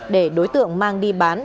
để đối tượng mang đi bán